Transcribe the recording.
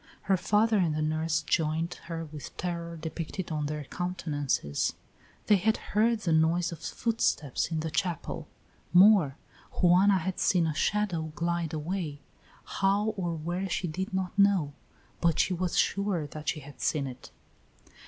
Her father and the nurse joined her with terror depicted on their countenances; they had heard the noise of footsteps in the chapel; more, Juana had seen a shadow glide away; how or where she did not know, but she was sure that she had seen it.